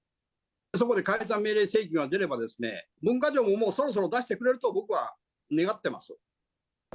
そこで解散命令請求が出れば、文科省ももうそろそろ出してくれると、僕は願ってます。